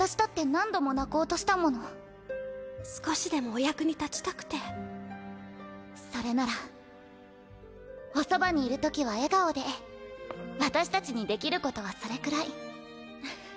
私だっ少しでもお役に立ちたくてそれならおそばにいるときは笑顔で私たちにできることはそれくらいふふっ。